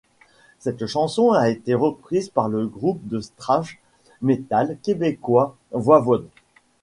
Cette chanson a été reprise par le groupe de thrash metal québécois Voivod.